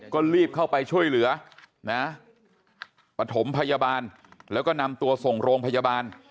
ก็รีบเข้าไปช่วยเหลือนะปฐมพยาบาลแล้วก็นำตัวส่งโรงพยาบาล